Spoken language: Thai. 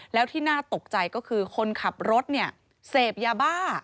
แล้วที่น่าตกใจก็คือคนขับรถเนี่ยเสพยาบ้า